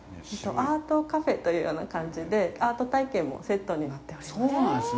アートカフェというような感じで、アート体験もセットになっております。